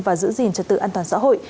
và giữ gìn trật tự an toàn xã hội